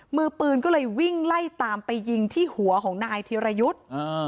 มือปืนก็เลยวิ่งไล่ตามไปยิงที่หัวของนายธิรยุทธ์